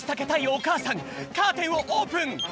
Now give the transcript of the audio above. おかあさんカーテンをオープン。